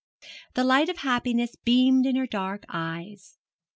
The light of happiness beamed in her dark eyes.